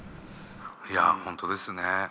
いや本当ですね。